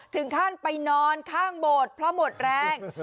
ถึงขั้นไปนอนข้างโบสถ์เพราะหมดแรง